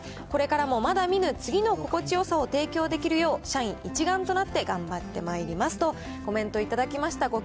これからもまだ見ぬ次の心地よさを提供できるよう、社員一丸となって頑張ってまいりますとコメント頂きました。